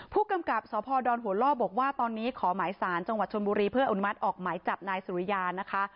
ผู้กำกับสพดอนหัวล่อบอกว่าตอนนี้ขอหมายสารจังหวัดชนบุรีเพื่ออนุมัติออกหมายจับนายสุริยานะคะ